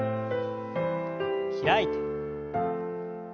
開いて。